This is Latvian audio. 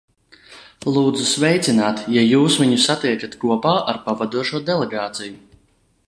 Lūdzu sveicināt, ja jūs viņu satiekat kopā ar pavadošo delegāciju.